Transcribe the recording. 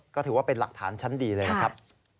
ก็ถือว่าเป็นหลักฐานชั้นดีเลยนะครับ